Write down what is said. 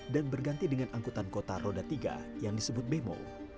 dan berganti dengan angkutan kota roda tiga yang disebut bemo